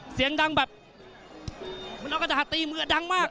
เสียงดังแบบมันเอากระดาษตีมือดังมาก